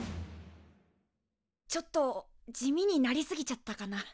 ちょっと地味になり過ぎちゃったかな。